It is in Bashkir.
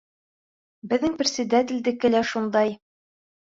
— Беҙҙең председателдеке лә шундай.